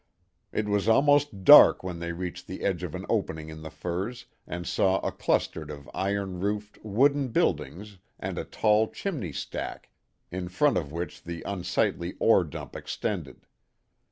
It was almost dark when they reached the edge of an opening in the firs, and saw a cluster of iron roofed, wooden buildings and a tall chimney stack, in front of which the unsightly ore dump extended.